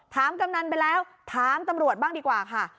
กำนันไปแล้วถามตำรวจบ้างดีกว่าค่ะ